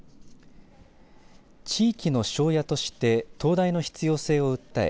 地域の庄屋として灯台に必要性を訴え